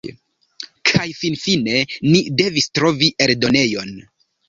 Kaj finfinfine ni devis trovi eldonejon.